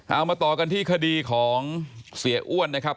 เอามาต่อกันที่คดีของเสียอ้วนนะครับ